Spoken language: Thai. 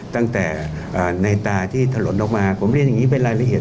ตั้งแต่ในตาที่ถลนออกมาผมเรียนอย่างนี้เป็นรายละเอียด